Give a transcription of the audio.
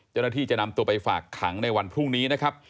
เจ้าหน้าที่จะนำตัวไปฝากขังในวันพรุ่งนี้นะครับ